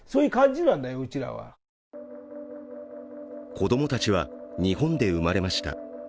子供たちは、日本で生まれました。